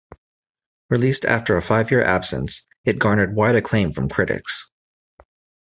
Released after a five-year absence, it garnered wide acclaim from critics.